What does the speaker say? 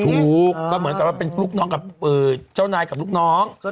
ถูกก็เหมือนกับว่าเป็นลูกน้องกับเจ้านายกับลูกน้อง